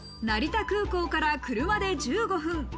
成田空港から車で１５分。